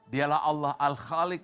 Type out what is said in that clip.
dialah allah al khaliq